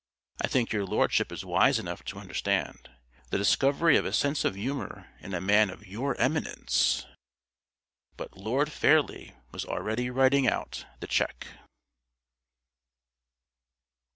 "I think your lordship is wise enough to understand. The discovery of a sense of humour in a man of your eminence " But Lord Fairlie was already writing out the cheque.